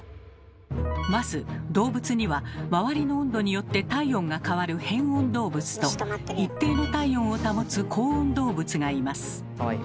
まず動物には周りの温度によって体温が変わる変温動物と一定の体温を保つ恒温動物がいます。